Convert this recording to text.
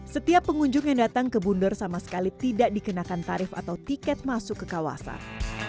setiap pengunjung yang datang ke bundor sama sekali tidak dikenakan tarif atau tiket masuk ke kawasan